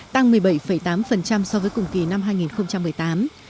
tăng một mươi bảy tám so với cùng kỳ năm hai nghìn một mươi tám